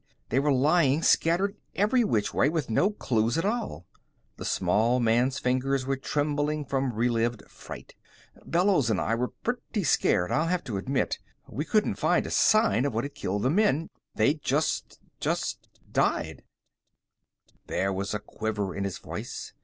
"They were lying scattered every which way, with no clues at all." The small man's fingers were trembling from relived fright. "Bellows and I were pretty scared, I'll have to admit. We couldn't find a sign of what had killed the men they'd just just died." There was a quiver in his voice.